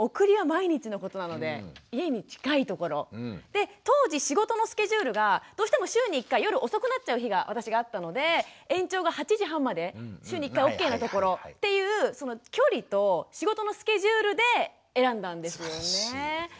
で当時仕事のスケジュールがどうしても週に１回夜遅くなっちゃう日が私があったので延長が８時半まで週に１回ＯＫなところっていうその距離と仕事のスケジュールで選んだんですよね。